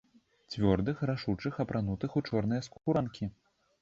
Цвёрдых, рашучых, апранутых у чорныя скуранкі.